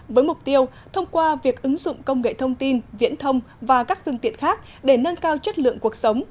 với mục tiêu thông qua việc ứng dụng công nghệ thông tin viễn thông và các phương tiện khác để nâng cao chất lượng cuộc sống